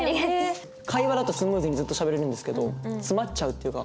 会話だとスムーズにずっとしゃべれるんですけど詰まっちゃうっていうか。